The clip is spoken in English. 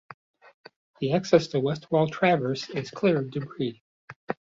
The access to West Wall Traverse is clear of debris.